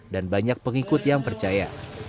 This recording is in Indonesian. dan banyak pengikut yang percaya